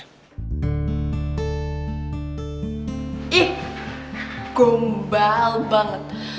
ihh gombal banget